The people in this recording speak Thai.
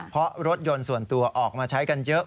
เพราะรถยนต์ส่วนตัวออกมาใช้กันเยอะ